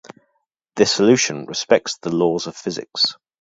The solution respects the laws of physics.